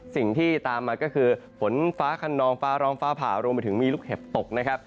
สิ่งที่ตามมาก็คือฝนฟ้าขนองฟ้าร้องฟ้าผ่ารวมไปถึงมีลูกเห็บตกนะครับ